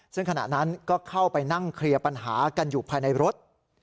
ซึ่งขณะนั้นก็เข้าไปนั่งเคลียร์ปัญหากันอยู่ภายในรถ